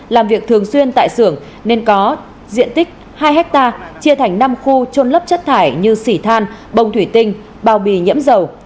làm việc thường xuyên tại xưởng nên có diện tích hai hectare chia thành năm khu trôn lấp chất thải như xỉ than bông thủy tinh bao bì nhiễm dầu